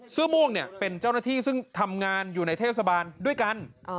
เสื้อม่วงเนี่ยเป็นเจ้าหน้าที่ซึ่งทำงานอยู่ในเทศบาลด้วยกัน